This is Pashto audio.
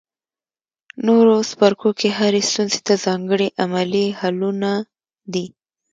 نورو څپرکو کې هرې ستونزې ته ځانګړي عملي حلونه دي.